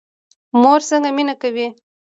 مور څنګه مینه کوي؟